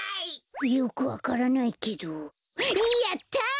よくわからないけどやった！